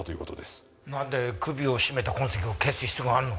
なんで首を絞めた痕跡を消す必要があるの？